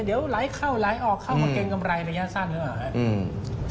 เดี๋ยวไหลเข้าไหลออกเข้ามาเกรงกำไรระยะสั้นหรือเปล่าครับ